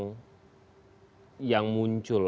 apa arti yang muncul